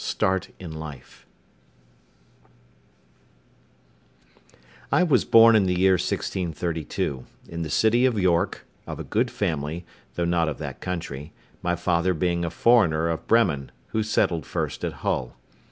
START IN LIFE I was born in the year 1632, in the city of York, of a good family, though not of that country, my father being a foreigner of Bremen, who settled first at Hull.